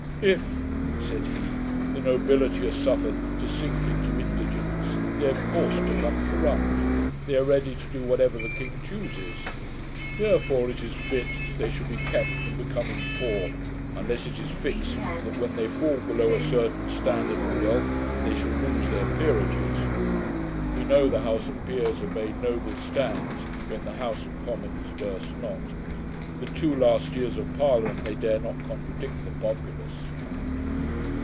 'If,' said he, 'the nobility are suffered to sink into indigence, they of course become corrupt; they are ready to do whatever the king chooses; therefore it is fit they should be kept from becoming poor, unless it is fixed that when they fall below a certain standard of wealth they shall lose their peerages. We know the House of Peers have made noble stands, when the House of Commons durst not. The two last years of Parliament they dare not contradict the populace.'